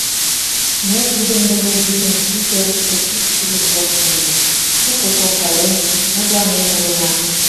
— Ме тудын дене йӱдым Питерыште чӱчкыдын коштынна, шуко шонкален, мутланен улына.